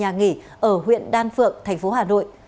nguyễn hùng kiên là một nhà nghỉ ở huyện đan phượng thành phố hà nội